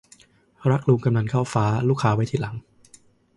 รักลุงกำนันเท่าฟ้า ลูกค้าไว้ทีหลัง